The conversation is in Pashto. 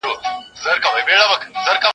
دا د نحوي قصیدې د چا په ښه دي